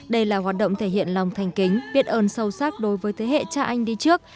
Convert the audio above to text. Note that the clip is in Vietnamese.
đây là hoạt động thể hiện lòng thành kính biết ơn sâu sắc đối với thế hệ cha anh đi trước